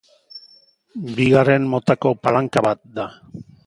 Bigarren motako palanka bat da.